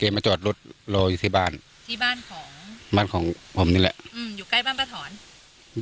มาจอดรถรออยู่ที่บ้านที่บ้านของบ้านของผมนี่แหละอืมอยู่ใกล้บ้านป้าถอน